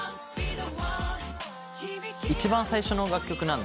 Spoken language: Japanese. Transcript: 一番最初の楽曲なんで。